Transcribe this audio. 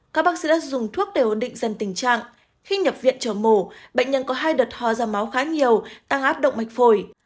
các bác sĩ dùng thuốc để ổn định dần tình trạng khi nhập viện trở mổ bệnh nhân có hai đợt ho ra máu khá nhiều tăng áp động mạch phổi